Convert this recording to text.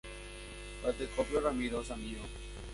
Mba'etekópio Ramiro chamigo.